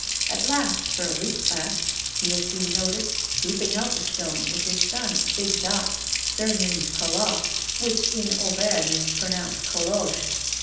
At last, for a week past, he has been noticed scooping out the stone, with his son, big Jacques, surnamed Colosse, which in Auvergne is pronounced 'Coloche.'